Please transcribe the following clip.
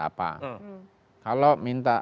apa kalau minta